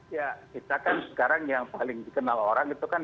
ya kita kan sekarang yang paling dikenal orang itu kan